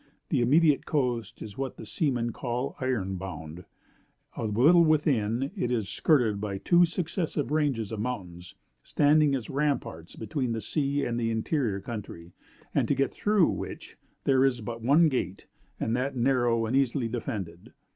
The immediate coast is what the seamen call iron bound. A little within, it is skirted by two successive ranges of mountains, standing as ramparts between the sea and the interior country; and to get through which, there is but one gate, and that narrow and easily defended.